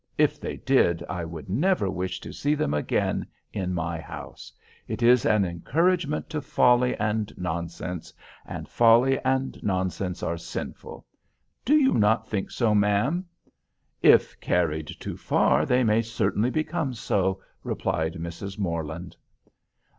If they did I would never wish to see them again in my house. It is an encouragement to folly and nonsense—and folly and nonsense are sinful. Do not you think so, ma'am?" "If carried too far they may certainly become so," replied Mrs. Morland.